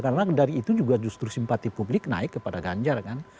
karena dari itu juga justru simpati publik naik kepada ganjar kan